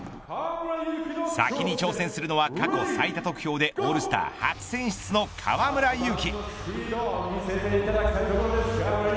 先に挑戦するのは過去最多得票でオールスター初選出の河村勇輝。